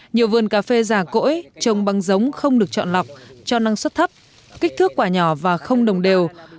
nhiều vườn cà phê già cỗi trồng bằng giống không được chọn lọc cho năng suất thấp kích thước quả nhỏ và không đồng đều